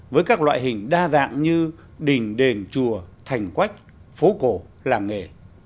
với các loại hình đa dạng như đình đền chùa thành quách phố cổ làng nghề